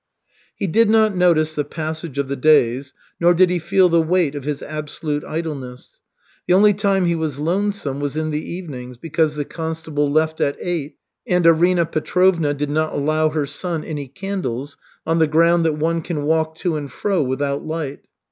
He did not notice the passage of the days, nor did he feel the weight of his absolute idleness. The only time he was lonesome was in the evenings, because the constable left at eight, and Arina Petrovna did not allow her son any candles, on the ground that one can walk to and fro without light.